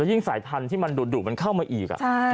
แล้วยิ่งสายพันธุ์ที่มันดูดดูดมันเข้ามาอีกอ่ะใช่